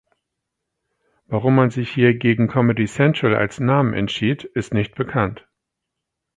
Warum man sich hier gegen Comedy Central als Namen entschied, ist nicht bekannt.